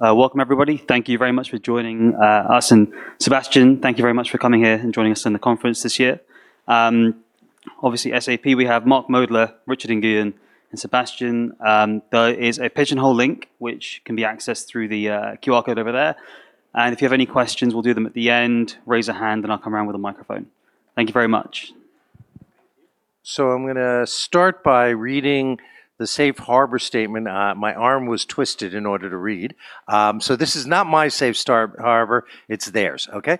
Welcome, everybody. Thank you very much for joining us, and Sebastian, thank you very much for coming here and joining us in the conference this year. Obviously, SAP, we have Mark Moerdler, Richard Nguyen, and Sebastian Steinhaeuser. There is a pigeonhole link, which can be accessed through the QR code over there, and if you have any questions, we'll do them at the end. Raise a hand, and I'll come around with a microphone. Thank you very much. I'm going to start by reading the Safe Harbor statement. My arm was twisted in order to read. This is not my safe start, however. It's theirs, OK?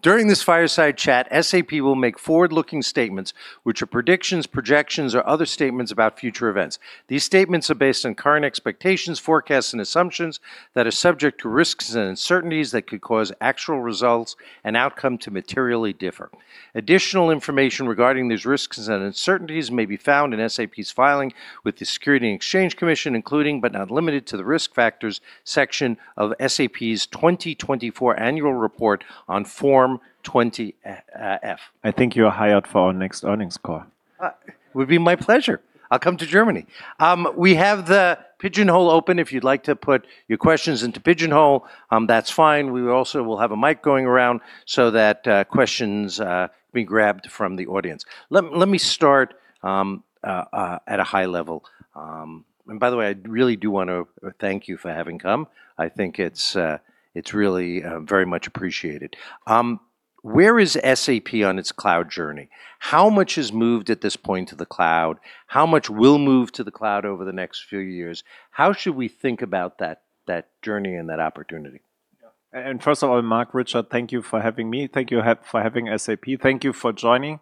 During this fireside chat, SAP will make forward-looking statements, which are predictions, projections, or other statements about future events. These statements are based on current expectations, forecasts, and assumptions that are subject to risks and uncertainties that could cause actual results and outcome to materially differ. Additional information regarding these risks and uncertainties may be found in SAP's filing with the Securities and Exchange Commission, including but not limited to the risk factors section of SAP's 2024 annual report on Form 20-F. I think you're a highlight for our next earnings call. It would be my pleasure. I'll come to Germany. We have the Pigeonhole open. If you'd like to put your questions into Pigeonhole, that's fine. We also will have a mic going around so that questions can be grabbed from the audience. Let me start at a high level, and by the way, I really do want to thank you for having come. I think it's really very much appreciated. Where is SAP on its cloud journey? How much has moved at this point to the cloud? How much will move to the cloud over the next few years? How should we think about that journey and that opportunity? First of all, Mark, Richard, thank you for having me. Thank you for having SAP. Thank you for joining.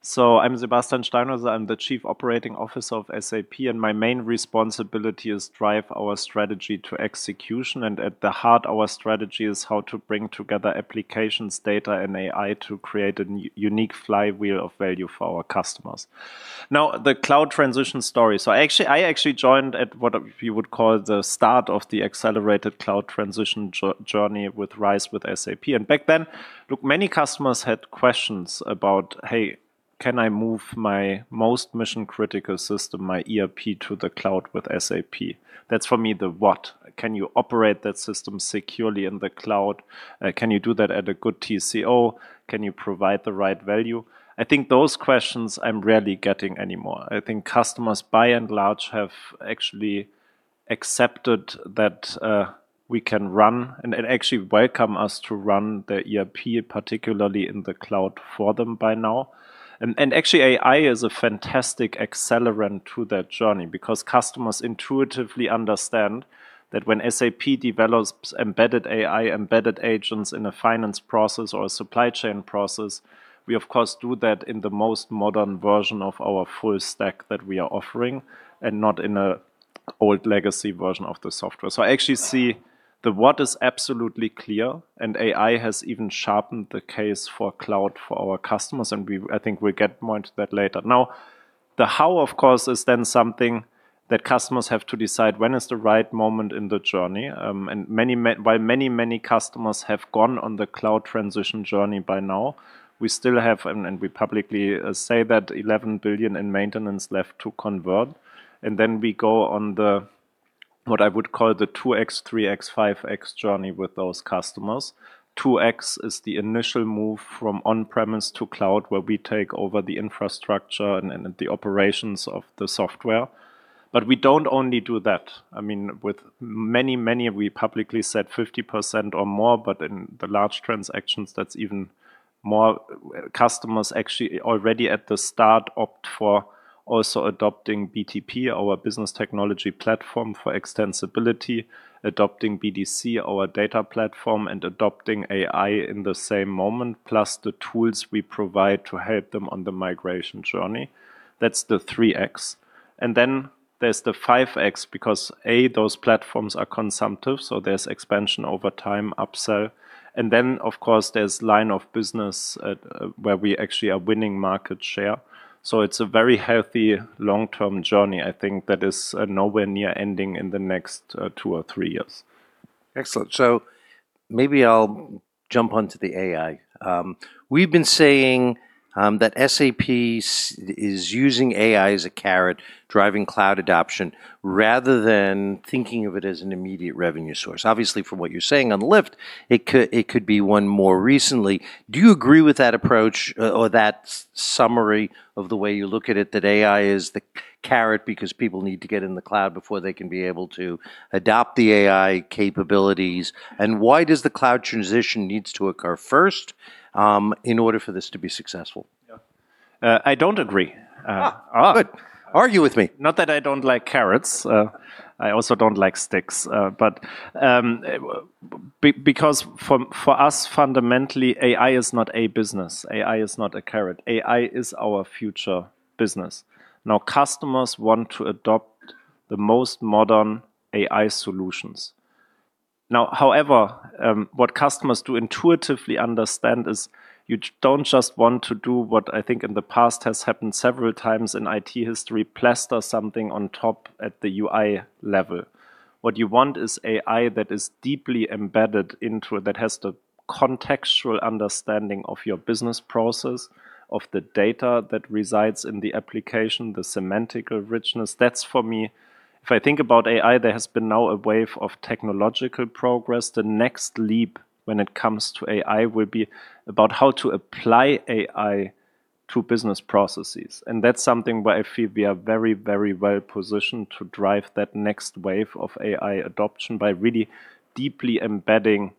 So I'm Sebastian Steinhaeuser. I'm the Chief Operating Officer of SAP, and my main responsibility is to drive our strategy to execution. And at the heart, our strategy is how to bring together applications, data, and AI to create a unique flywheel of value for our customers. Now, the cloud transition story. So I actually joined at what we would call the start of the accelerated cloud transition journey with RISE with SAP. And back then, look, many customers had questions about, hey, can I move my most mission-critical system, my ERP, to the cloud with SAP? That's for me the what. Can you operate that system securely in the cloud? Can you do that at a good TCO? Can you provide the right value? I think those questions I'm rarely getting anymore. I think customers, by and large, have actually accepted that we can run and actually welcome us to run the ERP, particularly in the cloud, for them by now. And actually, AI is a fantastic accelerant to that journey because customers intuitively understand that when SAP develops embedded AI, embedded agents in a finance process or a supply chain process, we, of course, do that in the most modern version of our full stack that we are offering and not in an old legacy version of the software. So I actually see the what is absolutely clear, and AI has even sharpened the case for cloud for our customers. And I think we'll get more into that later. Now, the how, of course, is then something that customers have to decide when is the right moment in the journey. While many, many customers have gone on the cloud transition journey by now, we still have, and we publicly say that, 11 billion in maintenance left to convert. Then we go on the what I would call the 2X, 3X, 5X journey with those customers. 2X is the initial move from on-premise to cloud, where we take over the infrastructure and the operations of the software. But we don't only do that. I mean, with many, many, we publicly said 50% or more, but in the large transactions, that's even more. Customers actually already at the start opt for also adopting BTP, our business technology platform for extensibility, adopting BDC, our data platform, and adopting AI in the same moment, plus the tools we provide to help them on the migration journey. That's the 3X. And then there's the 5X because, A, those platforms are consumptive, so there's expansion over time, upsell. And then, of course, there's line of business where we actually are winning market share. So it's a very healthy long-term journey, I think, that is nowhere near ending in the next two or three years. Excellent. So maybe I'll jump on to the AI. We've been saying that SAP is using AI as a carrot driving cloud adoption rather than thinking of it as an immediate revenue source. Obviously, from what you're saying on the lift, it could be one more recently. Do you agree with that approach or that summary of the way you look at it, that AI is the carrot because people need to get in the cloud before they can be able to adopt the AI capabilities? And why does the cloud transition need to occur first in order for this to be successful? I don't agree. Argue with me. Not that I don't like carrots. I also don't like sticks. But because for us, fundamentally, AI is not a business. AI is not a carrot. AI is our future business. Now, customers want to adopt the most modern AI solutions. Now, however, what customers do intuitively understand is you don't just want to do what I think in the past has happened several times in IT history, plaster something on top at the UI level. What you want is AI that is deeply embedded into that has the contextual understanding of your business process, of the data that resides in the application, the semantical richness. That's for me, if I think about AI, there has been now a wave of technological progress. The next leap when it comes to AI will be about how to apply AI to business processes. And that's something where I feel we are very, very well positioned to drive that next wave of AI adoption by really deeply embedding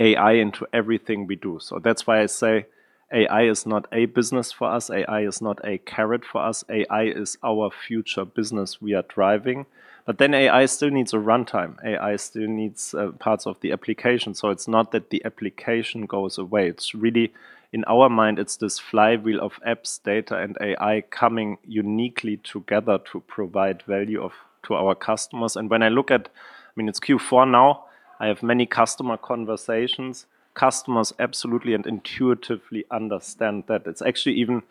AI into everything we do. So that's why I say AI is not a business for us. AI is not a carrot for us. AI is our future business we are driving. But then AI still needs a runtime. AI still needs parts of the application. So it's not that the application goes away. It's really, in our mind, it's this flywheel of apps, data, and AI coming uniquely together to provide value to our customers. And when I look at, I mean, it's Q4 now. I have many customer conversations. Customers absolutely and intuitively understand that. It's actually even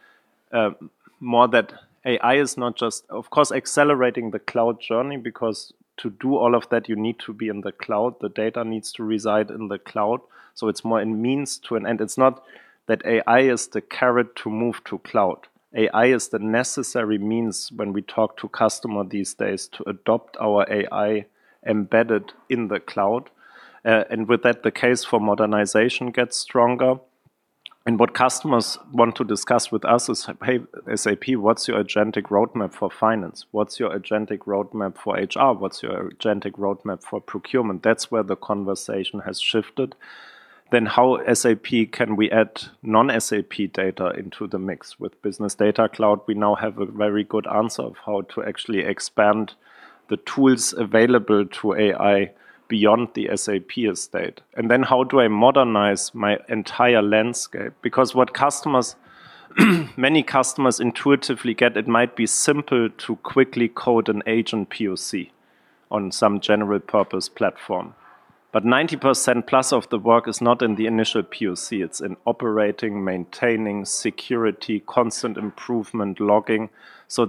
more that AI is not just, of course, accelerating the cloud journey because to do all of that, you need to be in the cloud. The data needs to reside in the cloud. So it's more a means to an end. It's not that AI is the carrot to move to cloud. AI is the necessary means when we talk to customers these days to adopt our AI embedded in the cloud. And with that, the case for modernization gets stronger. And what customers want to discuss with us is, hey, SAP, what's your agentic roadmap for finance? What's your agentic roadmap for HR? What's your agentic roadmap for procurement? That's where the conversation has shifted. Then, how, SAP, can we add non-SAP data into the mix with Business Data Cloud? We now have a very good answer of how to actually expand the tools available to AI beyond the SAP estate. And then how do I modernize my entire landscape? Because what customers, many customers intuitively get, it might be simple to quickly code an agent POC on some general purpose platform. But 90%+ of the work is not in the initial POC. It's in operating, maintaining, security, constant improvement, logging. So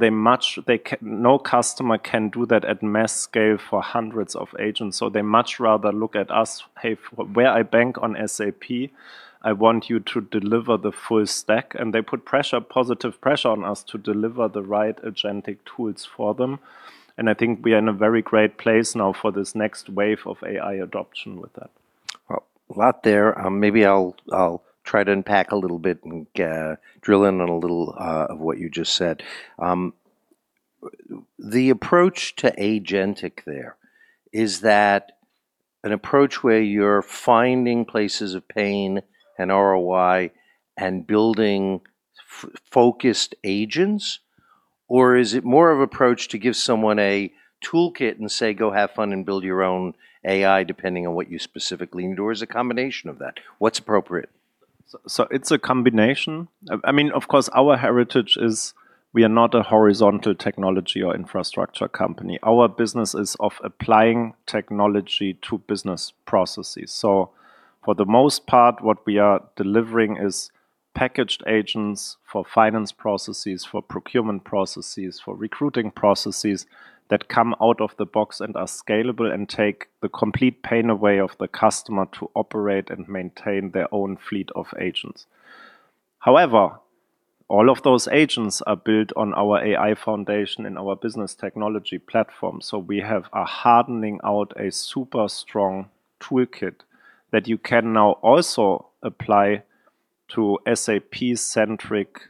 no customer can do that at mass scale for hundreds of agents. So they much rather look at us, hey, where I bank on SAP, I want you to deliver the full stack. And they put pressure, positive pressure on us to deliver the right agentic tools for them. And I think we are in a very great place now for this next wave of AI adoption with that. A lot there. Maybe I'll try to unpack a little bit and drill in on a little of what you just said. The approach to agentic there is that an approach where you're finding places of pain and ROI and building focused agents? Or is it more of an approach to give someone a toolkit and say, go have fun and build your own AI depending on what you specifically need? Or is it a combination of that? What's appropriate? So it's a combination. I mean, of course, our heritage is we are not a horizontal technology or infrastructure company. Our business is of applying technology to business processes. So for the most part, what we are delivering is packaged agents for finance processes, for procurement processes, for recruiting processes that come out of the box and are scalable and take the complete pain away of the customer to operate and maintain their own fleet of agents. However, all of those agents are built on our AI foundation in our business technology platform. So we have rolled out a super strong toolkit that you can now also apply to SAP-centric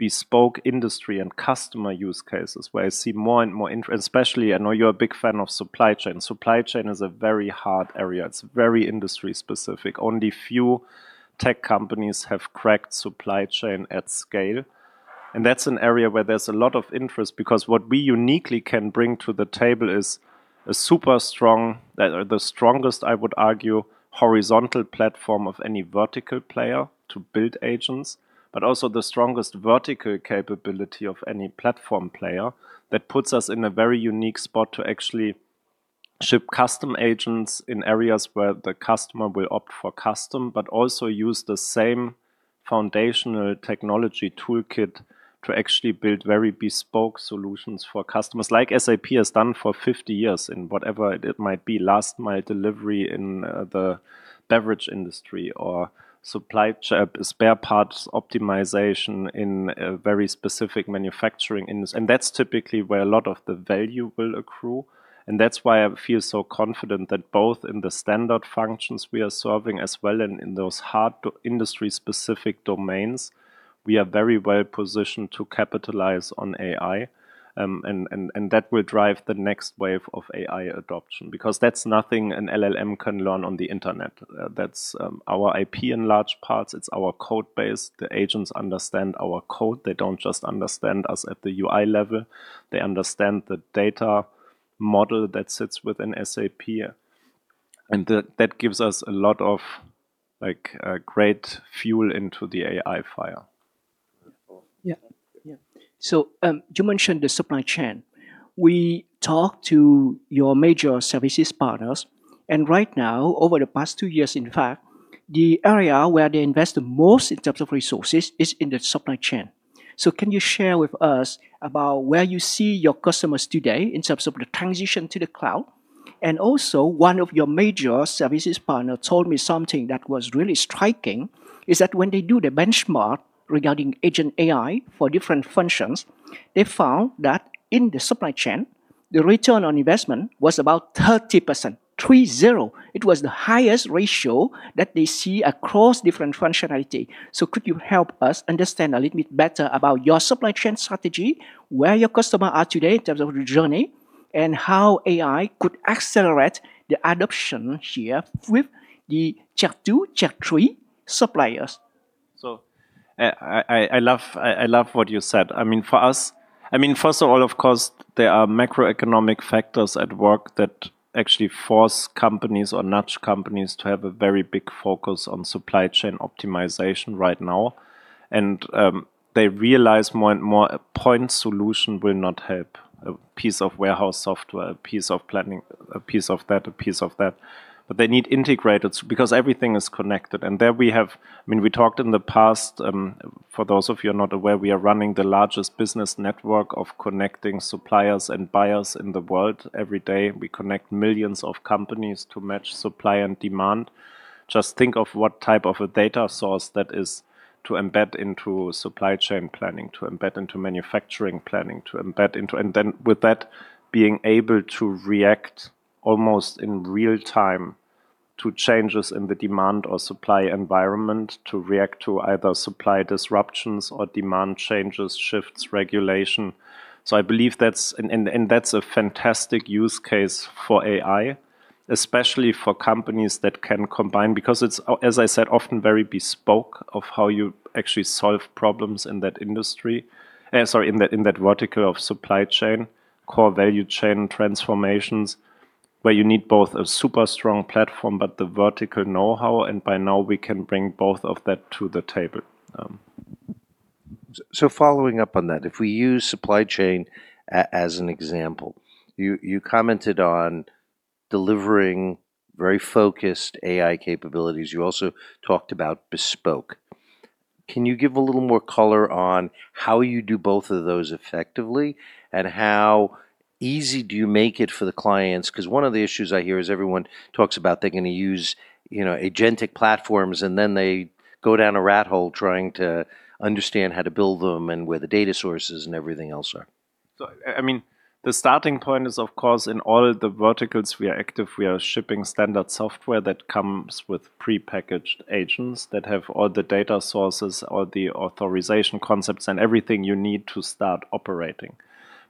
bespoke industry and customer use cases where I see more and more interest, and especially, I know you're a big fan of supply chain. Supply chain is a very hard area. It's very industry specific. Only a few tech companies have cracked supply chain at scale, and that's an area where there's a lot of interest because what we uniquely can bring to the table is a super strong, the strongest, I would argue, horizontal platform of any vertical player to build agents, but also the strongest vertical capability of any platform player that puts us in a very unique spot to actually ship custom agents in areas where the customer will opt for custom, but also use the same foundational technology toolkit to actually build very bespoke solutions for customers like SAP has done for 50 years in whatever it might be, last mile delivery in the beverage industry or supply chain spare parts optimization in very specific manufacturing, and that's typically where a lot of the value will accrue. That's why I feel so confident that both in the standard functions we are serving as well and in those hard industry specific domains, we are very well positioned to capitalize on AI. That will drive the next wave of AI adoption because that's nothing an LLM can learn on the internet. That's our IP in large parts. It's our code base. The agents understand our code. They don't just understand us at the UI level. They understand the data model that sits within SAP. That gives us a lot of great fuel into the AI fire. Yeah. So you mentioned the supply chain. We talked to your major services partners. And right now, over the past two years, in fact, the area where they invest the most in terms of resources is in the supply chain. So can you share with us about where you see your customers today in terms of the transition to the cloud? And also, one of your major services partners told me something that was really striking: that when they do the benchmark regarding agent AI for different functions, they found that in the supply chain, the return on investment was about 30%, 3, 0. It was the highest ratio that they see across different functionality. So could you help us understand a little bit better about your supply chain strategy, where your customers are today in terms of the journey, and how AI could accelerate the adoption here with the CHEP2, CHEP3 suppliers? So I love what you said. I mean, for us, I mean, first of all, of course, there are macroeconomic factors at work that actually force companies or nudge companies to have a very big focus on supply chain optimization right now. And they realize more and more point solution will not help a piece of warehouse software, a piece of planning, a piece of that, a piece of that. But they need integrated because everything is connected. And there we have, I mean, we talked in the past, for those of you who are not aware, we are running the largest business network of connecting suppliers and buyers in the world every day. We connect millions of companies to match supply and demand. Just think of what type of a data source that is to embed into supply chain planning, to embed into manufacturing planning, to embed into. And then, with that being able to react almost in real time to changes in the demand or supply environment, to react to either supply disruptions or demand changes, shifts, regulation. So I believe that's, and that's a fantastic use case for AI, especially for companies that can combine because it's, as I said, often very bespoke of how you actually solve problems in that industry, sorry, in that vertical of supply chain, core value chain transformations where you need both a super strong platform, but the vertical know-how. And by now, we can bring both of that to the table. So following up on that, if we use supply chain as an example, you commented on delivering very focused AI capabilities. You also talked about bespoke. Can you give a little more color on how you do both of those effectively and how easy do you make it for the clients? Because one of the issues I hear is everyone talks about they're going to use agentic platforms, and then they go down a rat hole trying to understand how to build them and where the data sources and everything else are. So I mean, the starting point is, of course, in all the verticals we are active. We are shipping standard software that comes with prepackaged agents that have all the data sources, all the authorization concepts, and everything you need to start operating.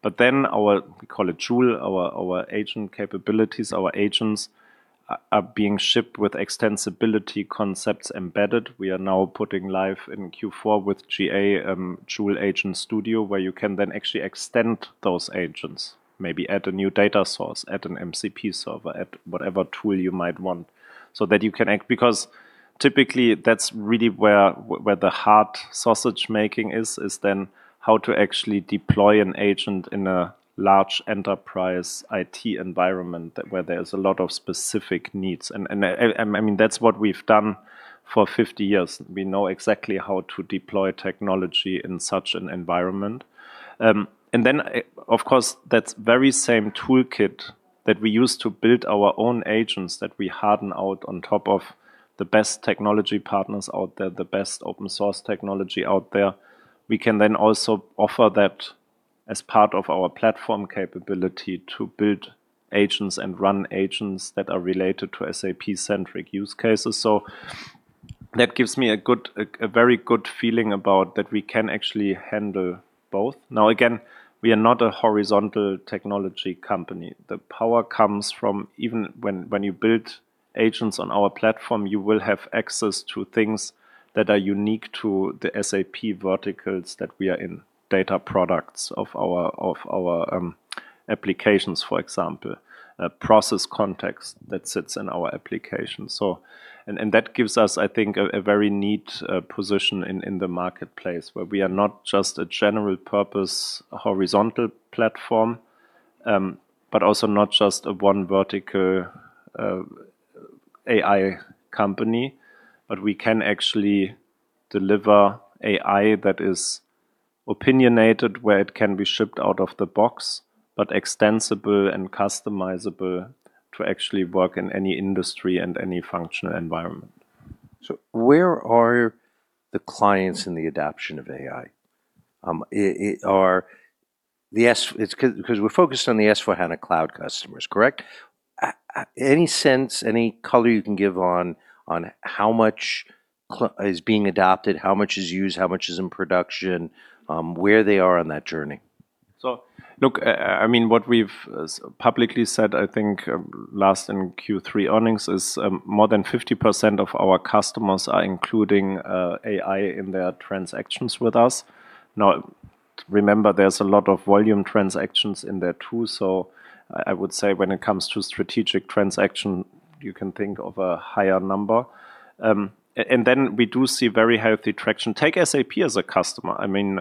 But then our, we call it Joule, our agent capabilities, our agents are being shipped with extensibility concepts embedded. We are now putting live in Q4 with GA Joule Agent Studio where you can then actually extend those agents, maybe add a new data source, add an MCP server, add whatever tool you might want so that you can act, because typically that's really where the hard sausage making is, is then how to actually deploy an agent in a large enterprise IT environment where there's a lot of specific needs. And I mean, that's what we've done for 50 years. We know exactly how to deploy technology in such an environment. And then, of course, that very same toolkit that we use to build our own agents that we harden out on top of the best technology partners out there, the best open source technology out there, we can then also offer that as part of our platform capability to build agents and run agents that are related to SAP-centric use cases. So that gives me a very good feeling about that we can actually handle both. Now, again, we are not a horizontal technology company. The power comes from even when you build agents on our platform, you will have access to things that are unique to the SAP verticals that we are in, data products of our applications, for example, process context that sits in our application. That gives us, I think, a very neat position in the marketplace where we are not just a general purpose horizontal platform, but also not just a one vertical AI company, but we can actually deliver AI that is opinionated where it can be shipped out of the box, but extensible and customizable to actually work in any industry and any functional environment. So where are the clients in the adoption of AI? Because we're focused on the S/4HANA Cloud customers, correct? Any sense, any color you can give on how much is being adopted, how much is used, how much is in production, where they are on that journey? So, look. I mean, what we've publicly said, I think last in Q3 earnings, is more than 50% of our customers are including AI in their transactions with us. Now, remember, there's a lot of volume transactions in there too. So I would say when it comes to strategic transaction, you can think of a higher number. And then we do see very healthy traction. Take SAP as a customer. I mean,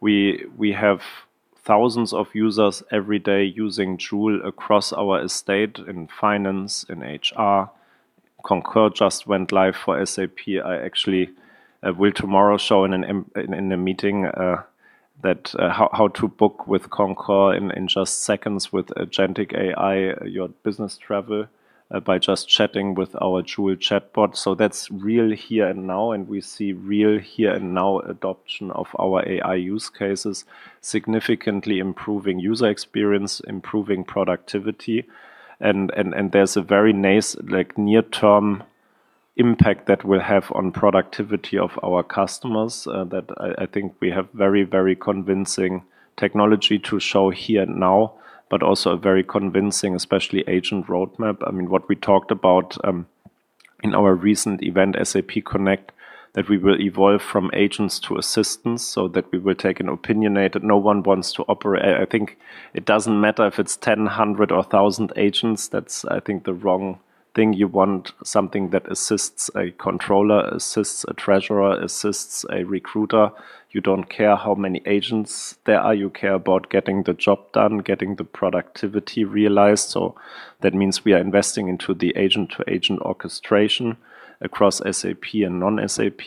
we have thousands of users every day using Joule across our estate in finance, in HR. Concur just went live for SAP. I actually will tomorrow show in a meeting how to book with Concur in just seconds with agentic AI your business travel by just chatting with our Joule chatbot. So that's real here and now. And we see real here and now adoption of our AI use cases significantly improving user experience, improving productivity. And there's a very near-term impact that will have on productivity of our customers that I think we have very, very convincing technology to show here and now, but also a very convincing, especially agent roadmap. I mean, what we talked about in our recent event, SAP Connect, that we will evolve from agents to assistants so that we will take an opinionated, no one wants to operate. I think it doesn't matter if it's 10, 100, or 1,000 agents. That's, I think, the wrong thing. You want something that assists a controller, assists a treasurer, assists a recruiter. You don't care how many agents there are. You care about getting the job done, getting the productivity realized. So that means we are investing into the agent-to-agent orchestration across SAP and non-SAP.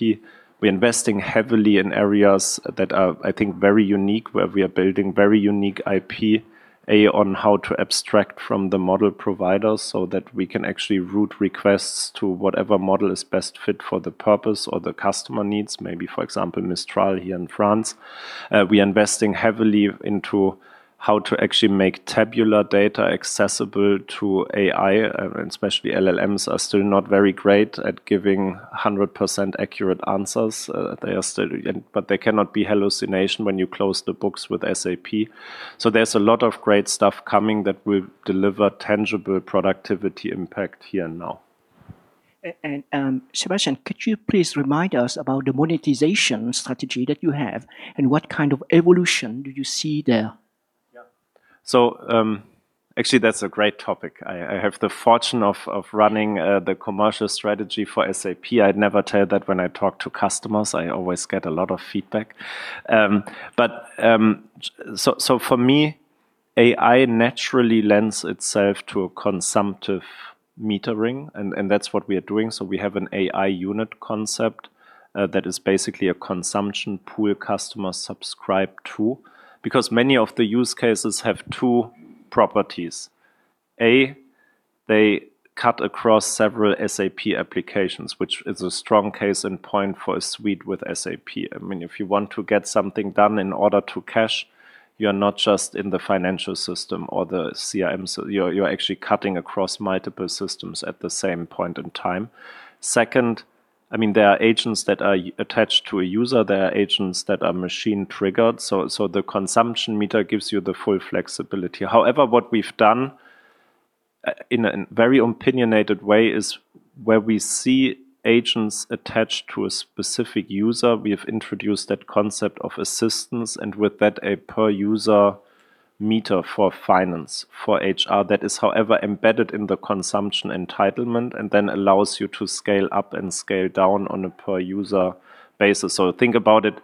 We're investing heavily in areas that are, I think, very unique where we are building very unique API on how to abstract from the model providers so that we can actually route requests to whatever model is best fit for the purpose or the customer needs, maybe, for example, Mistral here in France. We are investing heavily into how to actually make tabular data accessible to AI, and especially LLMs are still not very great at giving 100% accurate answers. They are still, but they cannot hallucinate when you close the books with SAP. So there's a lot of great stuff coming that will deliver tangible productivity impact here and now. Sebastian, could you please remind us about the monetization strategy that you have and what kind of evolution do you see there? Yeah. So actually, that's a great topic. I have the fortune of running the commercial strategy for SAP. I'd never tell that when I talk to customers. I always get a lot of feedback. But so for me, AI naturally lends itself to a consumptive metering, and that's what we are doing. So we have an AI unit concept that is basically a consumption pool customer subscribe to because many of the use cases have two properties. A, they cut across several SAP applications, which is a strong case in point for a suite with SAP. I mean, if you want to get something done in order to cash, you're not just in the financial system or the CRMs. You're actually cutting across multiple systems at the same point in time. Second, I mean, there are agents that are attached to a user. There are agents that are machine triggered. So the consumption meter gives you the full flexibility. However, what we've done in a very opinionated way is where we see agents attached to a specific user, we have introduced that concept of assistance, and with that, a per user meter for finance for HR that is, however, embedded in the consumption entitlement and then allows you to scale up and scale down on a per user basis. So think about it.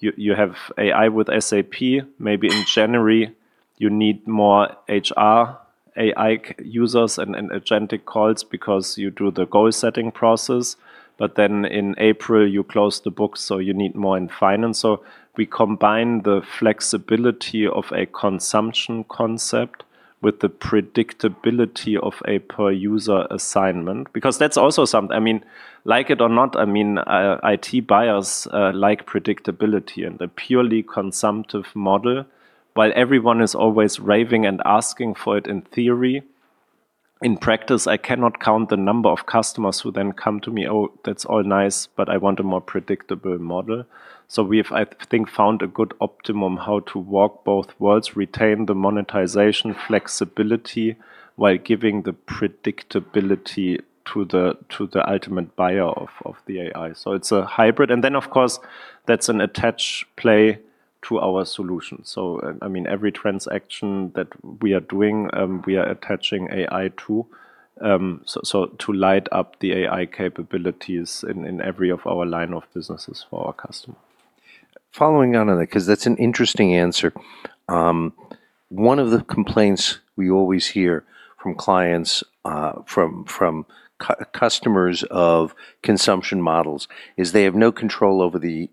You have AI with SAP. Maybe in January, you need more HR AI users and agentic calls because you do the goal setting process. But then in April, you close the books, so you need more in finance. So we combine the flexibility of a consumption concept with the predictability of a per user assignment because that's also something, I mean, like it or not, I mean, IT buyers like predictability and the purely consumptive model. While everyone is always raving and asking for it in theory, in practice, I cannot count the number of customers who then come to me, "Oh, that's all nice, but I want a more predictable model." So we've, I think, found a good optimum how to walk both worlds, retain the monetization flexibility while giving the predictability to the ultimate buyer of the AI. So it's a hybrid. And then, of course, that's an attached play to our solution. So I mean, every transaction that we are doing, we are attaching AI to light up the AI capabilities in every of our line of businesses for our customers. Following on that, because that's an interesting answer. One of the complaints we always hear from clients, from customers of consumption models is they have no control over the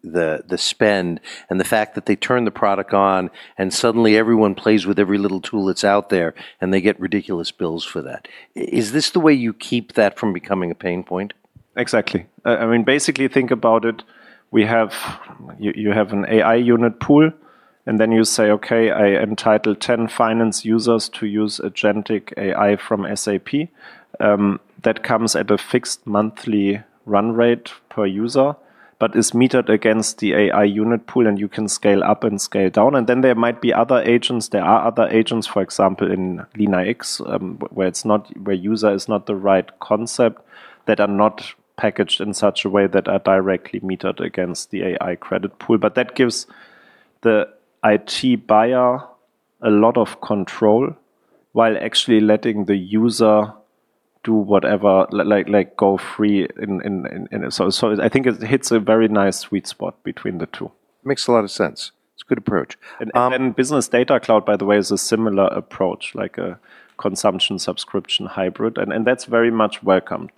spend and the fact that they turn the product on and suddenly everyone plays with every little tool that's out there and they get ridiculous bills for that. Is this the way you keep that from becoming a pain point? Exactly. I mean, basically think about it. You have an AI unit pool, and then you say, "Okay, I entitle 10 finance users to use agentic AI from SAP." That comes at a fixed monthly run rate per user, but is metered against the AI unit pool, and you can scale up and scale down. And then there might be other agents. There are other agents, for example, in LeanIX, where user is not the right concept that are not packaged in such a way that are directly metered against the AI credit pool. But that gives the IT buyer a lot of control while actually letting the user do whatever, like go free. So I think it hits a very nice sweet spot between the two. Makes a lot of sense. It's a good approach. Business Data Cloud, by the way, is a similar approach, like a consumption subscription hybrid. That's very much welcomed.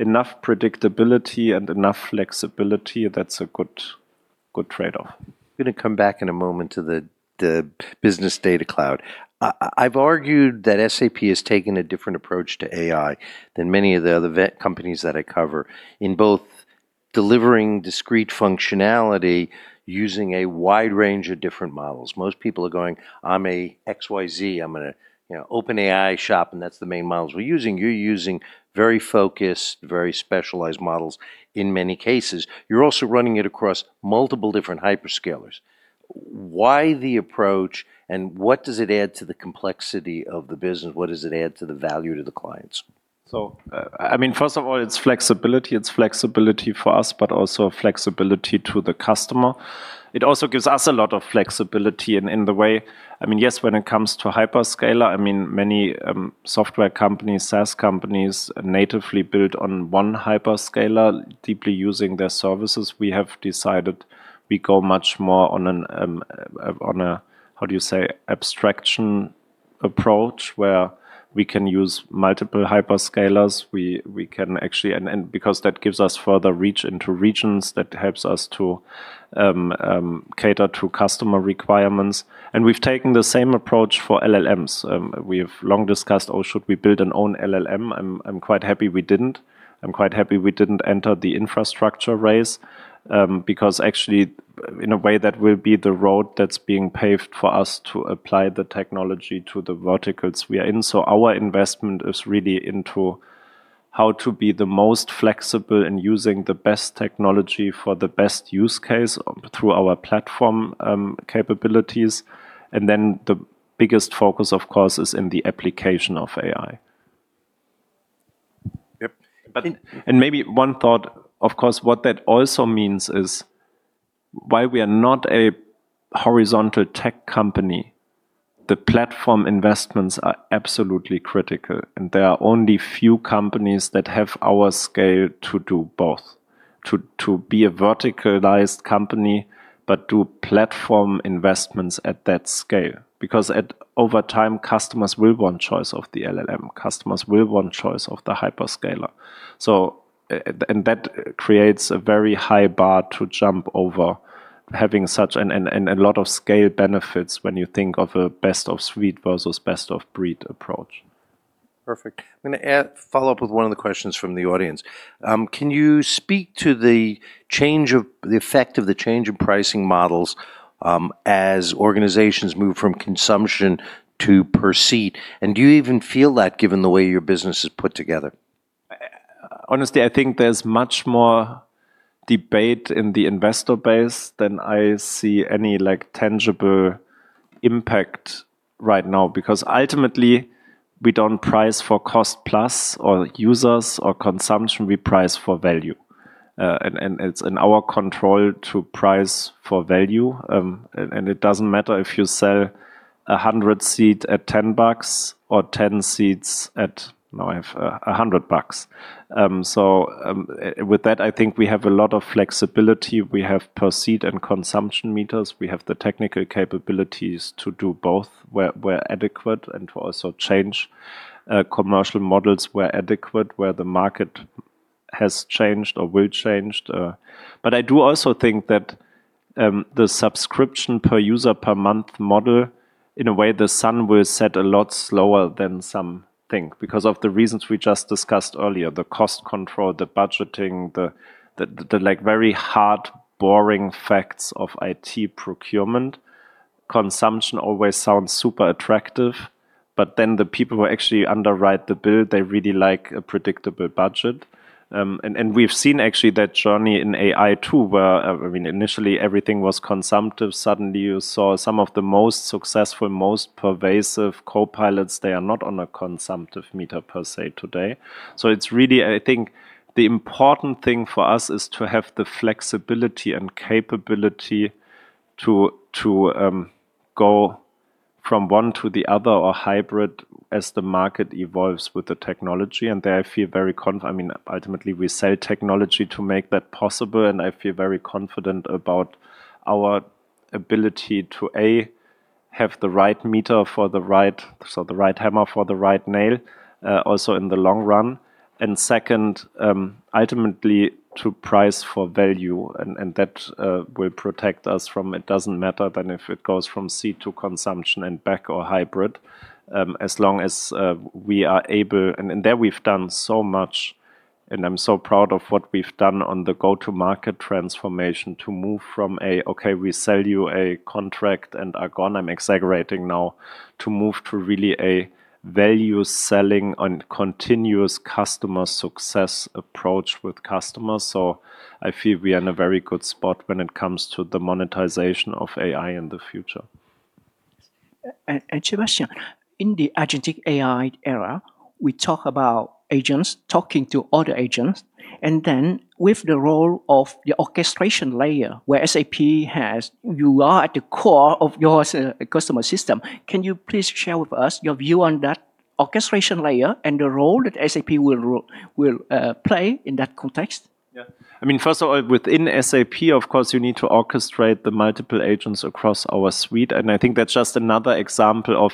Enough predictability and enough flexibility, that's a good trade-off. Going to come back in a moment to the Business Data Cloud. I've argued that SAP has taken a different approach to AI than many of the other companies that I cover in both delivering discrete functionality using a wide range of different models. Most people are going, "I'm a XYZ. I'm an OpenAI shop, and that's the main models we're using." You're using very focused, very specialized models in many cases. You're also running it across multiple different hyperscalers. Why the approach and what does it add to the complexity of the business? What does it add to the value to the clients? So, I mean, first of all, it's flexibility. It's flexibility for us, but also flexibility to the customer. It also gives us a lot of flexibility in the way, I mean, yes, when it comes to hyperscaler, I mean, many software companies, SaaS companies natively build on one hyperscaler deeply using their services. We have decided we go much more on a, how do you say, abstraction approach where we can use multiple hyperscalers. We can actually, and because that gives us further reach into regions that helps us to cater to customer requirements. And we've taken the same approach for LLMs. We've long discussed, "Oh, should we build an own LLM?" I'm quite happy we didn't. I'm quite happy we didn't enter the infrastructure race because actually, in a way, that will be the road that's being paved for us to apply the technology to the verticals we are in. So our investment is really into how to be the most flexible in using the best technology for the best use case through our platform capabilities. And then the biggest focus, of course, is in the application of AI. Yep. Maybe one thought, of course, what that also means is while we are not a horizontal tech company, the platform investments are absolutely critical. There are only few companies that have our scale to do both, to be a verticalized company, but do platform investments at that scale because over time, customers will want choice of the LLM. Customers will want choice of the hyperscaler. That creates a very high bar to jump over having such and a lot of scale benefits when you think of a best of suite versus best of breed approach. Perfect. I'm going to follow up with one of the questions from the audience. Can you speak to the effect of the change in pricing models as organizations move from consumption to per seat? And do you even feel that given the way your business is put together? Honestly, I think there's much more debate in the investor base than I see any tangible impact right now because ultimately, we don't price for cost plus or users or consumption. We price for value. And it's in our control to price for value. And it doesn't matter if you sell a 100-seat at $10 or 10 seats at, no, I have $100. So with that, I think we have a lot of flexibility. We have per seat and consumption meters. We have the technical capabilities to do both where adequate and to also change commercial models where adequate, where the market has changed or will change. But I do also think that the subscription per user per month model, in a way, the sun will set a lot slower than something because of the reasons we just discussed earlier, the cost control, the budgeting, the very hard, boring facts of IT procurement. Consumption always sounds super attractive, but then the people who actually underwrite the bill, they really like a predictable budget. And we've seen actually that journey in AI too, where initially everything was consumptive. Suddenly, you saw some of the most successful, most pervasive copilots, they are not on a consumptive meter per se today. So it's really, I think the important thing for us is to have the flexibility and capability to go from one to the other or hybrid as the market evolves with the technology. And there I feel very, I mean, ultimately, we sell technology to make that possible. I feel very confident about our ability to, A, have the right meter for the right, so the right hammer for the right nail, also in the long run, and second, ultimately, to price for value. That will protect us from. It doesn't matter then if it goes from seed to consumption and back or hybrid, as long as we are able. There we've done so much, and I'm so proud of what we've done on the go-to-market transformation to move from, okay, we sell you a contract and are gone. I'm exaggerating now to move to really a value selling and continuous customer success approach with customers. I feel we are in a very good spot when it comes to the monetization of AI in the future. Sebastian, in the Agentic AI era, we talk about agents talking to other agents. Then, with the role of the orchestration layer where SAP has, you are at the core of your customer system. Can you please share with us your view on that orchestration layer and the role that SAP will play in that context? Yeah. I mean, first of all, within SAP, of course, you need to orchestrate the multiple agents across our suite. And I think that's just another example of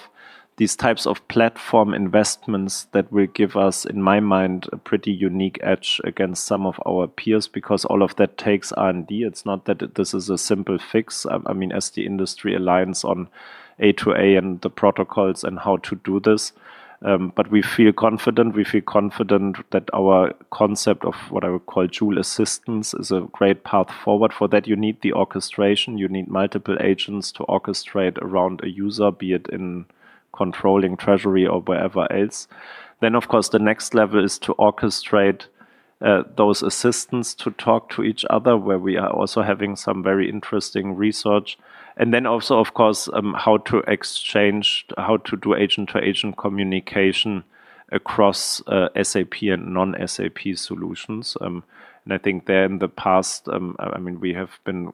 these types of platform investments that will give us, in my mind, a pretty unique edge against some of our peers because all of that takes R&D. It's not that this is a simple fix. I mean, as the industry aligns on A2A and the protocols and how to do this. But we feel confident. We feel confident that our concept of what I would call dual assistance is a great path forward. For that, you need the orchestration. You need multiple agents to orchestrate around a user, be it in controlling treasury or wherever else. Then, of course, the next level is to orchestrate those assistants to talk to each other where we are also having some very interesting research. And then also, of course, how to exchange, how to do agent-to-agent communication across SAP and non-SAP solutions. And I think there in the past, I mean, we have been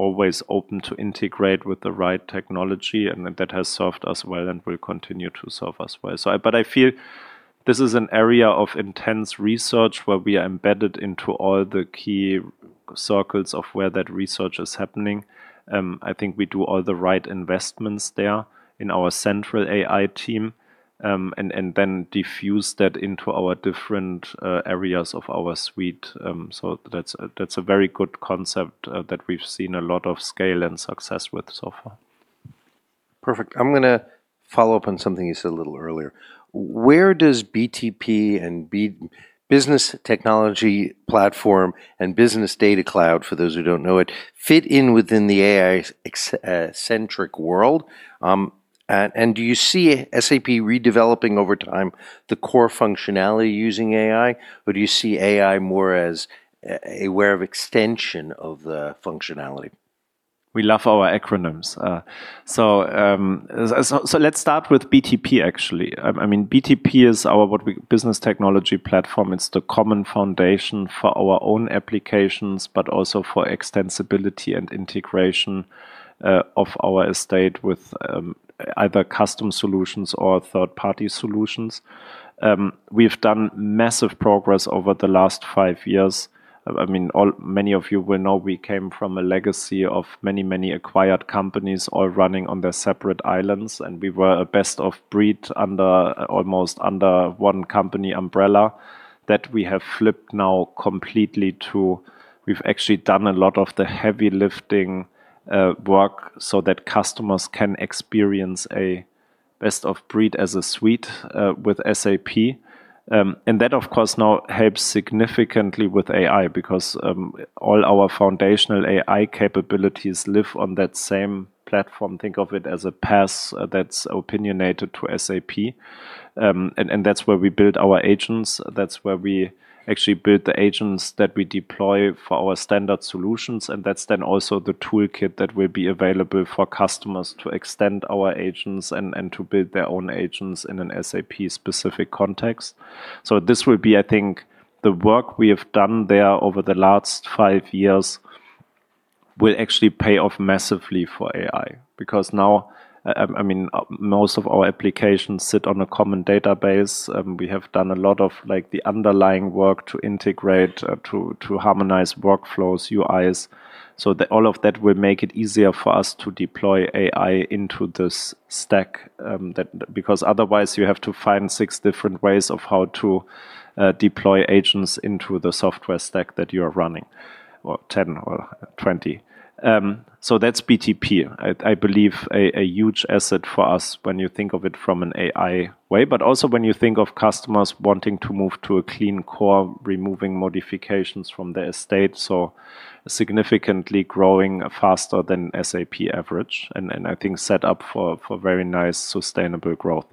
always open to integrate with the right technology, and that has served us well and will continue to serve us well. But I feel this is an area of intense research where we are embedded into all the key circles of where that research is happening. I think we do all the right investments there in our central AI team and then diffuse that into our different areas of our suite. So that's a very good concept that we've seen a lot of scale and success with so far. Perfect. I'm going to follow up on something you said a little earlier. Where does BTP and Business Technology Platform and Business Data Cloud, for those who don't know it, fit in within the AI-centric world? And do you see SAP redeveloping over time the core functionality using AI, or do you see AI more as a way of extension of the functionality? We love our acronyms. So let's start with BTP, actually. I mean, BTP is our Business Technology Platform. It's the common foundation for our own applications, but also for extensibility and integration of our estate with either custom solutions or third-party solutions. We've done massive progress over the last five years. I mean, many of you will know we came from a legacy of many, many acquired companies all running on their separate islands. And we were a best of breed under almost under one company umbrella that we have flipped now completely to we've actually done a lot of the heavy lifting work so that customers can experience a best of breed as a suite with SAP. And that, of course, now helps significantly with AI because all our foundational AI capabilities live on that same platform. Think of it as a path that's opinionated to SAP. That's where we build our agents. That's where we actually build the agents that we deploy for our standard solutions. That's then also the toolkit that will be available for customers to extend our agents and to build their own agents in an SAP-specific context. This will be, I think, the work we have done there over the last five years will actually pay off massively for AI because now, I mean, most of our applications sit on a common database. We have done a lot of the underlying work to integrate, to harmonize workflows, UIs. All of that will make it easier for us to deploy AI into this stack because otherwise, you have to find six different ways of how to deploy agents into the software stack that you are running or 10 or 20. So that's BTP, I believe, a huge asset for us when you think of it from an AI way, but also when you think of customers wanting to move to a Clean Core, removing modifications from their estate. So significantly growing faster than SAP average and I think set up for very nice sustainable growth.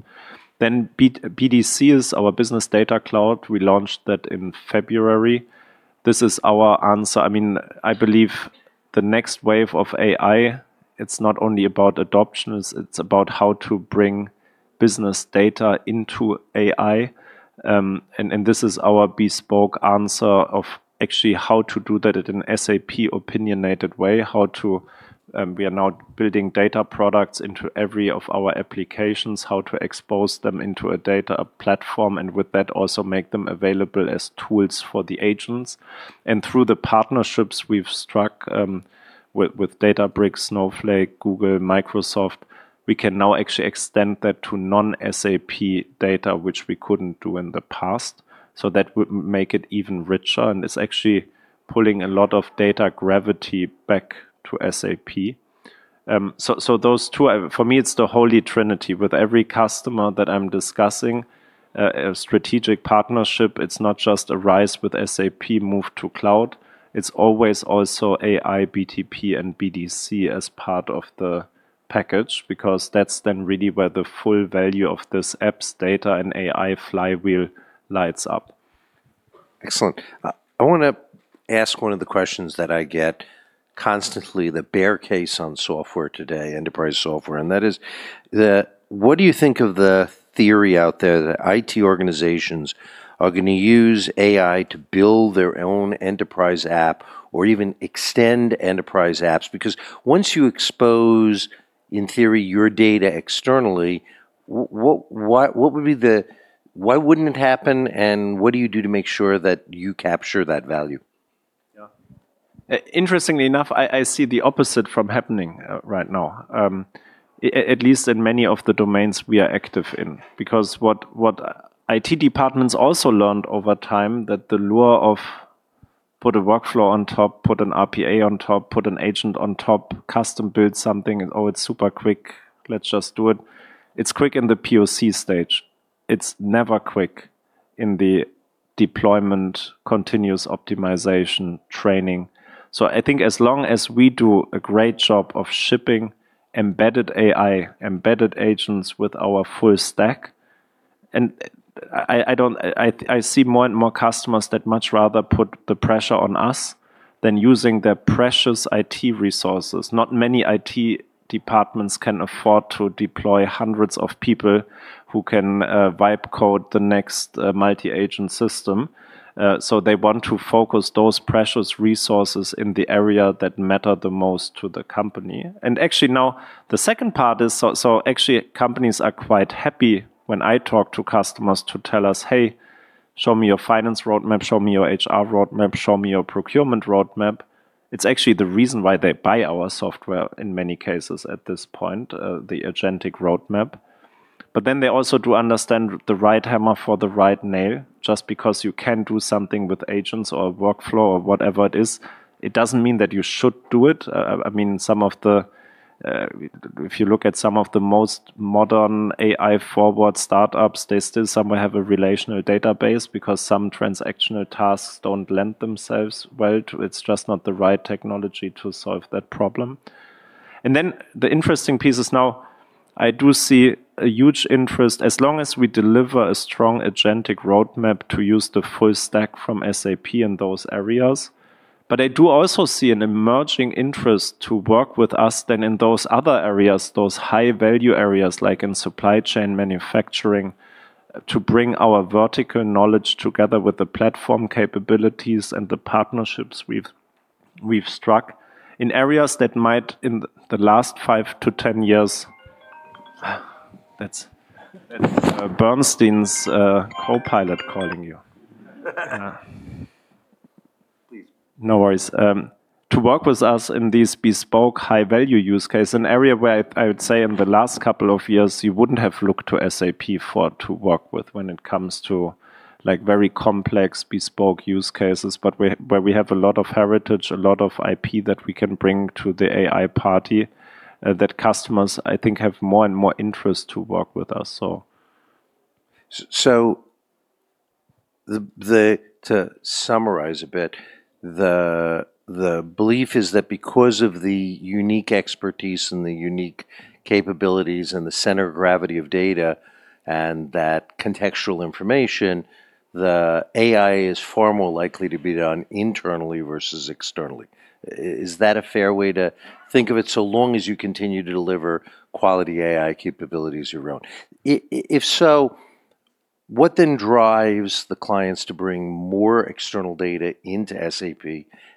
Then BDC is our Business Data Cloud. We launched that in February. This is our answer. I mean, I believe the next wave of AI, it's not only about adoptions. It's about how to bring business data into AI. And this is our bespoke answer of actually how to do that in an SAP-opinionated way, how we are now building data products into every of our applications, how to expose them into a data platform, and with that, also make them available as tools for the agents. And through the partnerships we've struck with Databricks, Snowflake, Google, Microsoft, we can now actually extend that to non-SAP data, which we couldn't do in the past. So that would make it even richer. And it's actually pulling a lot of data gravity back to SAP. So those two, for me, it's the holy trinity. With every customer that I'm discussing, a strategic partnership, it's not just a RISE with SAP move to cloud. It's always also AI, BTP, and BDC as part of the package because that's then really where the full value of this apps data and AI flywheel lights up. Excellent. I want to ask one of the questions that I get constantly, the bear case on software today, enterprise software. And that is, what do you think of the theory out there that IT organizations are going to use AI to build their own enterprise app or even extend enterprise apps? Because once you expose, in theory, your data externally, what would be the why wouldn't it happen? And what do you do to make sure that you capture that value? Yeah. Interestingly enough, I see the opposite from happening right now, at least in many of the domains we are active in because what IT departments also learned over time that the lure of put a workflow on top, put an RPA on top, put an agent on top, custom build something, oh, it's super quick. Let's just do it. It's quick in the POC stage. It's never quick in the deployment, continuous optimization, training. So I think as long as we do a great job of shipping embedded AI, embedded agents with our full stack, and I see more and more customers that much rather put the pressure on us than using their precious IT resources. Not many IT departments can afford to deploy hundreds of people who can vibe code the next multi-agent system. So they want to focus those precious resources in the area that matter the most to the company. And actually now, the second part is, so actually companies are quite happy when I talk to customers to tell us, "Hey, show me your finance roadmap. Show me your HR roadmap. Show me your procurement roadmap." It's actually the reason why they buy our software in many cases at this point, the agentic roadmap. But then they also do understand the right hammer for the right nail. Just because you can do something with agents or workflow or whatever it is, it doesn't mean that you should do it. I mean, you look at some of the most modern AI-forward startups, they still somewhere have a relational database because some transactional tasks don't lend themselves well to. It's just not the right technology to solve that problem. And then the interesting piece is now I do see a huge interest as long as we deliver a strong agentic roadmap to use the full stack from SAP in those areas. But I do also see an emerging interest to work with us then in those other areas, those high-value areas like in supply chain, manufacturing, to bring our vertical knowledge together with the platform capabilities and the partnerships we've struck in areas that might in the last five to 10 years. That's Bernstein's copilot calling you. No worries. To work with us in these bespoke high-value use cases, an area where I would say in the last couple of years, you wouldn't have looked to SAP for to work with when it comes to very complex bespoke use cases, but where we have a lot of heritage, a lot of IP that we can bring to the AI party that customers, I think, have more and more interest to work with us, so. So to summarize a bit, the belief is that because of the unique expertise and the unique capabilities and the center of gravity of data and that contextual information, the AI is far more likely to be done internally versus externally. Is that a fair way to think of it so long as you continue to deliver quality AI capabilities your own? If so, what then drives the clients to bring more external data into SAP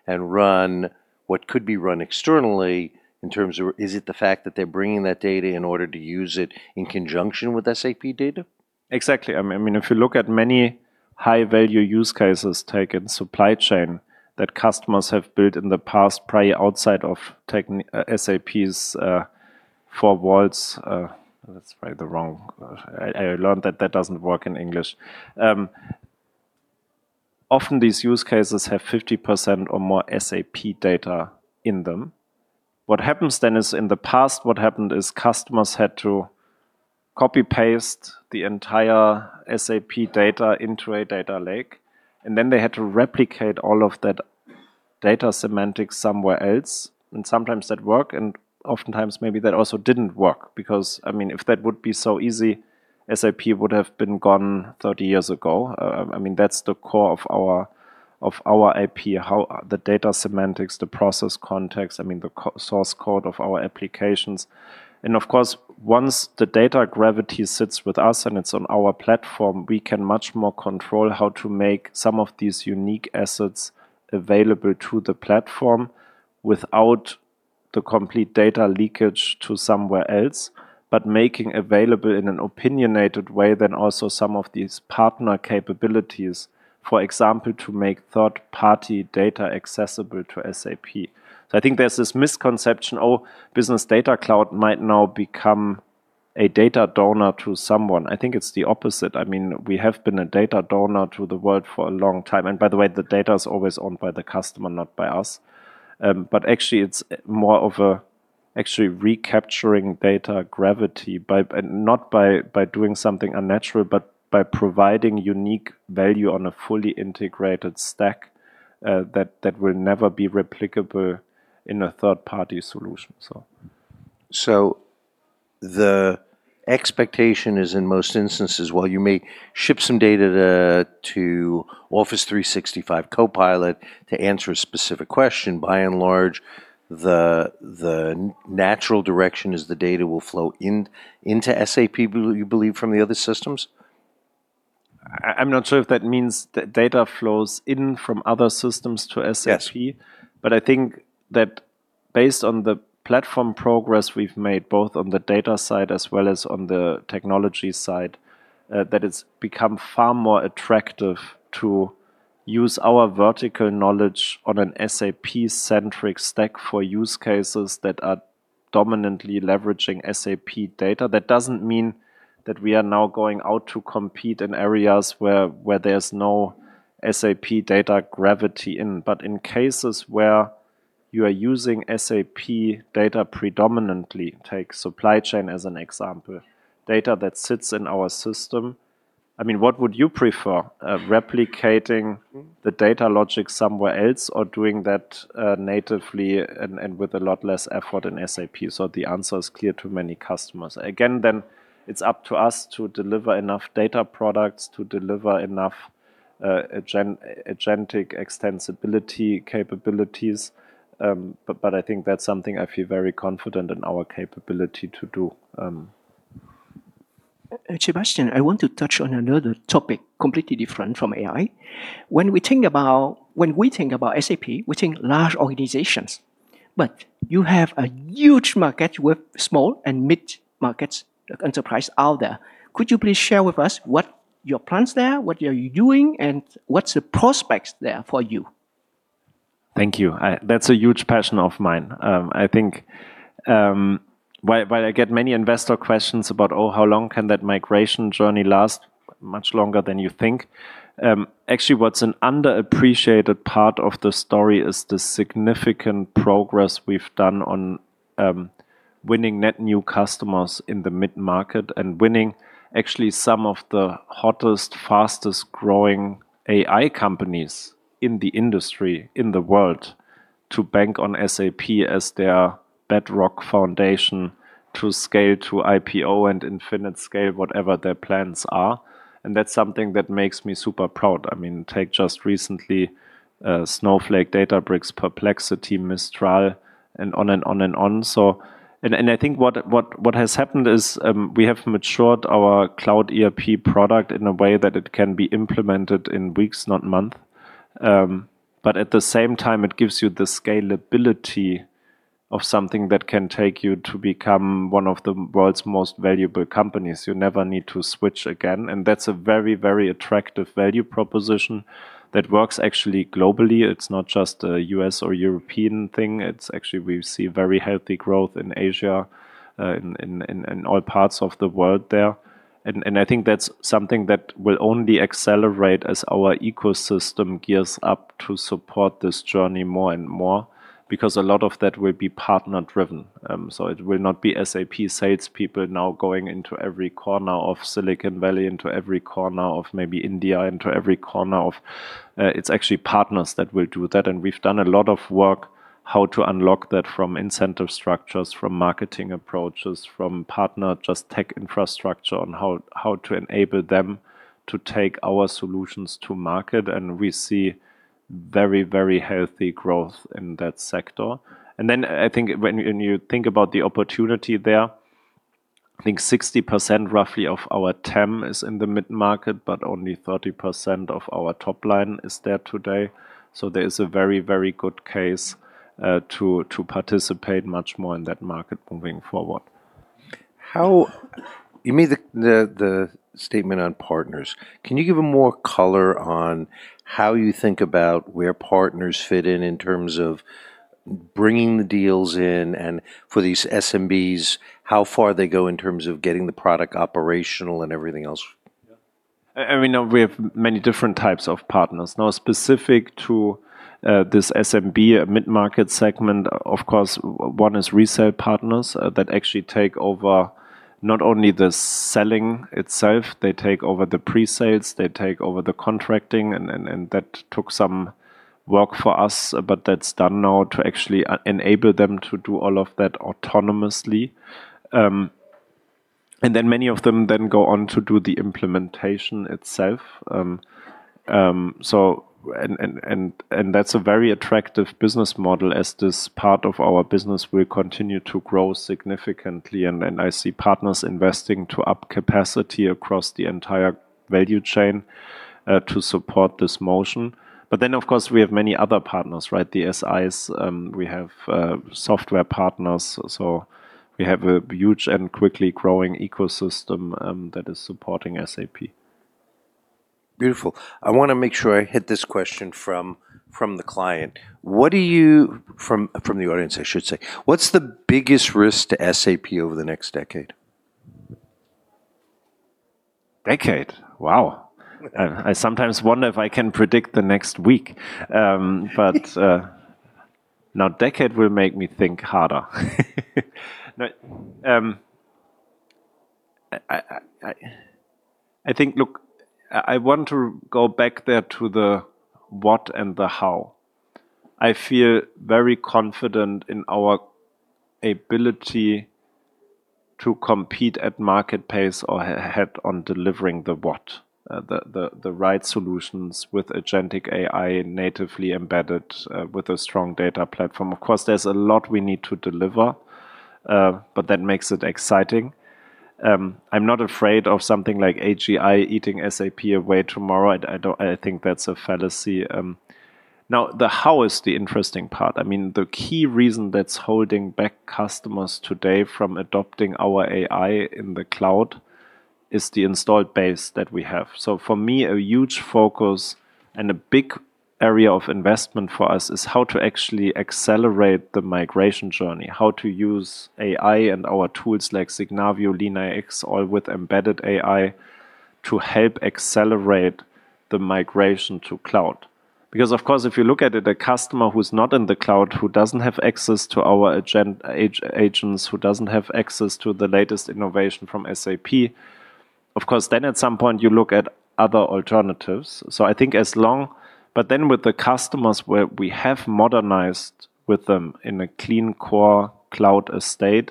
and run what could be run externally in terms of is it the fact that they're bringing that data in order to use it in conjunction with SAP data? Exactly. I mean, if you look at many high-value use cases, take supply chain, that customers have built in the past prior outside of SAP's four walls, that's probably the wrong way. I learned that that doesn't work in English. Often these use cases have 50% or more SAP data in them. What happens then is, in the past, what happened is customers had to copy-paste the entire SAP data into a data lake. And then they had to replicate all of that data semantics somewhere else. And sometimes that worked. And oftentimes maybe that also didn't work because, I mean, if that would be so easy, SAP would have been gone 30 years ago. I mean, that's the core of our IP, how the data semantics, the process context, I mean, the source code of our applications. And of course, once the data gravity sits with us and it's on our platform, we can much more control how to make some of these unique assets available to the platform without the complete data leakage to somewhere else, but making available in an opinionated way then also some of these partner capabilities, for example, to make third-party data accessible to SAP. So I think there's this misconception, oh, Business Data Cloud might now become a data donor to someone. I think it's the opposite. I mean, we have been a data donor to the world for a long time. And by the way, the data is always owned by the customer, not by us. But actually, it's more of a recapturing data gravity by not doing something unnatural, but by providing unique value on a fully integrated stack that will never be replicable in a third-party solution, so. So the expectation is in most instances, while you may ship some data to Office 365 Copilot to answer a specific question, by and large, the natural direction is the data will flow into SAP, you believe, from the other systems? I'm not sure if that means that data flows in from other systems to SAP. Yes. But I think that based on the platform progress we've made both on the data side as well as on the technology side, that it's become far more attractive to use our vertical knowledge on an SAP-centric stack for use cases that are dominantly leveraging SAP data. That doesn't mean that we are now going out to compete in areas where there's no SAP data gravity in. But in cases where you are using SAP data predominantly, take supply chain as an example, data that sits in our system, I mean, what would you prefer? Replicating the data logic somewhere else or doing that natively and with a lot less effort in SAP? So the answer is clear to many customers. Again, then it's up to us to deliver enough data products, to deliver enough agentic extensibility capabilities. But I think that's something I feel very confident in our capability to do. Sebastian, I want to touch on another topic, completely different from AI. When we think about SAP, we think large organizations. But you have a huge market with small and mid-market enterprises out there. Could you please share with us what your plans there, what you're doing, and what's the prospects there for you? Thank you. That's a huge passion of mine. I think while I get many investor questions about, oh, how long can that migration journey last? Much longer than you think. Actually, what's an underappreciated part of the story is the significant progress we've done on winning net new customers in the mid-market and winning actually some of the hottest, fastest growing AI companies in the industry in the world to bank on SAP as their bedrock foundation to scale to IPO and infinite scale, whatever their plans are. And that's something that makes me super proud. I mean, take just recently Snowflake, Databricks, Perplexity, Mistral, and on and on and on. And I think what has happened is we have matured our cloud ERP product in a way that it can be implemented in weeks, not months. But at the same time, it gives you the scalability of something that can take you to become one of the world's most valuable companies. You never need to switch again. And that's a very, very attractive value proposition that works actually globally. It's not just a U.S. or European thing. It's actually we see very healthy growth in Asia and all parts of the world there. And I think that's something that will only accelerate as our ecosystem gears up to support this journey more and more because a lot of that will be partner-driven. So it will not be SAP salespeople now going into every corner of Silicon Valley, into every corner of maybe India, into every corner of. It's actually partners that will do that. We've done a lot of work how to unlock that from incentive structures, from marketing approaches, from partner just tech infrastructure on how to enable them to take our solutions to market. We see very, very healthy growth in that sector. Then I think when you think about the opportunity there, I think 60% roughly of our TAM is in the mid-market, but only 30% of our top line is there today. There is a very, very good case to participate much more in that market moving forward. You made the statement on partners. Can you give a more color on how you think about where partners fit in in terms of bringing the deals in and for these SMBs, how far they go in terms of getting the product operational and everything else? Yeah. I mean, we have many different types of partners. Now, specific to this SMB mid-market segment, of course, one is resale partners that actually take over not only the selling itself. They take over the presales. They take over the contracting. And that took some work for us, but that's done now to actually enable them to do all of that autonomously. And then many of them then go on to do the implementation itself. And that's a very attractive business model as this part of our business will continue to grow significantly. And I see partners investing to up capacity across the entire value chain to support this motion. But then, of course, we have many other partners, right? The SIs. We have software partners. So we have a huge and quickly growing ecosystem that is supporting SAP. Beautiful. I want to make sure I hit this question from the client. What do you from the audience, I should say, what's the biggest risk to SAP over the next decade? Decade? Wow. I sometimes wonder if I can predict the next week. But now decade will make me think harder. I think, look, I want to go back there to the what and the how. I feel very confident in our ability to compete at market pace or ahead on delivering the what, the right solutions with agentic AI natively embedded with a strong data platform. Of course, there's a lot we need to deliver, but that makes it exciting. I'm not afraid of something like AGI eating SAP away tomorrow. I think that's a fallacy. Now, the how is the interesting part. I mean, the key reason that's holding back customers today from adopting our AI in the cloud is the installed base that we have. So for me, a huge focus and a big area of investment for us is how to actually accelerate the migration journey, how to use AI and our tools like Signavio, LeanIX, all with embedded AI to help accelerate the migration to cloud. Because, of course, if you look at it, a customer who's not in the cloud, who doesn't have access to our agents, who doesn't have access to the latest innovation from SAP, of course, then at some point, you look at other alternatives. So I think as long but then with the customers where we have modernized with them in a Clean Core cloud estate,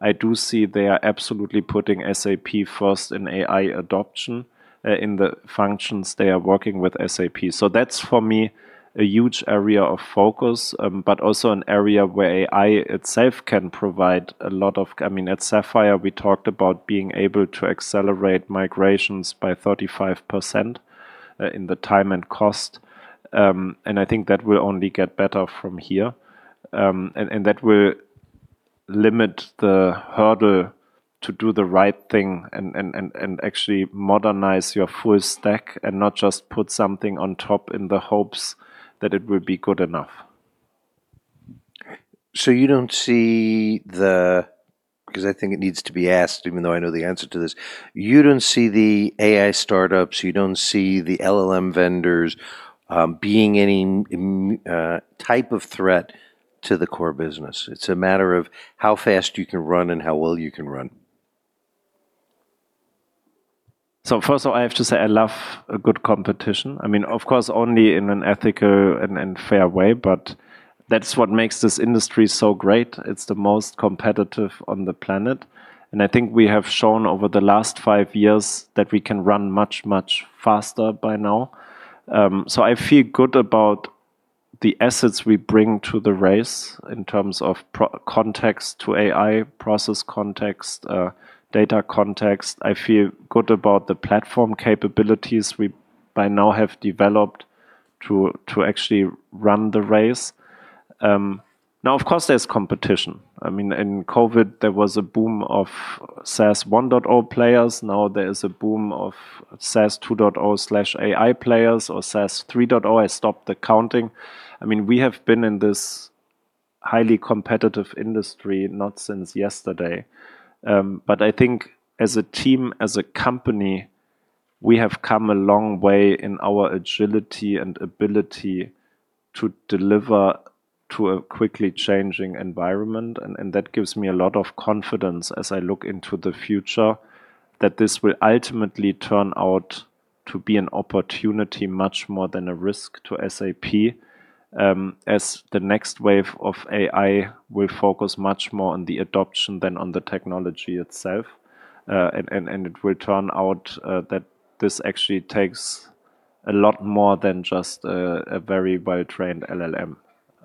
I do see they are absolutely putting SAP first in AI adoption in the functions they are working with SAP. So that's for me a huge area of focus, but also an area where AI itself can provide a lot of I mean, at Sapphire, we talked about being able to accelerate migrations by 35% in the time and cost. And I think that will only get better from here. And that will limit the hurdle to do the right thing and actually modernize your full stack and not just put something on top in the hopes that it will be good enough. You don't see that because I think it needs to be asked, even though I know the answer to this. You don't see the AI startups. You don't see the LLM vendors being any type of threat to the core business. It's a matter of how fast you can run and how well you can run. So first of all, I have to say I love a good competition. I mean, of course, only in an ethical and fair way. But that's what makes this industry so great. It's the most competitive on the planet. And I think we have shown over the last five years that we can run much, much faster by now. So I feel good about the assets we bring to the race in terms of context to AI, process context, data context. I feel good about the platform capabilities we by now have developed to actually run the race. Now, of course, there's competition. I mean, in COVID, there was a boom of SaaS 1.0 players. Now there is a boom of SaaS 2.0/AI players or SaaS 3.0/AI. I stopped the counting. I mean, we have been in this highly competitive industry not since yesterday. But I think as a team, as a company, we have come a long way in our agility and ability to deliver to a quickly changing environment. And that gives me a lot of confidence as I look into the future that this will ultimately turn out to be an opportunity much more than a risk to SAP as the next wave of AI will focus much more on the adoption than on the technology itself. And it will turn out that this actually takes a lot more than just a very well-trained LLM.